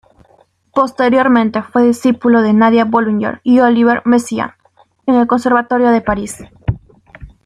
Posteriormente fue discípulo de Nadia Boulanger y Olivier Messiaen en el Conservatorio de París.